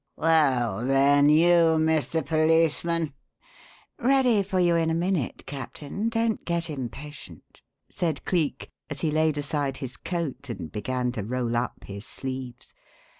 "Well, then you, Mr. Policeman " "Ready for you in a minute, Captain; don't get impatient," said Cleek, as he laid aside his coat and began to roll up his sleeves.